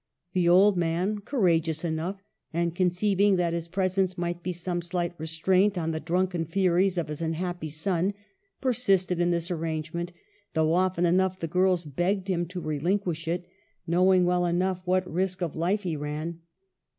The old man, courageous enough, and conceiving that his presence might be some slight restraint on the drunken furies of his unhappy son, persisted in this arrangement, though often enough the girls begged him to relinquish it, knowing well enough what risk of life he ran.